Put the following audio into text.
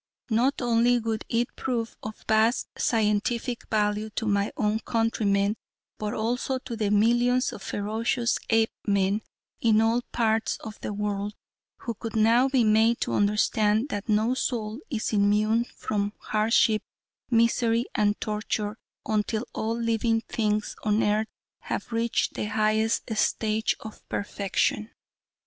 Not only would it prove of vast scientific value to my own countrymen, but also to the millions of ferocious Apemen in all parts of the world, who could now be made to understand that no soul is immune from hardship, misery and torture until all living things on earth have reached the highest stage of perfection.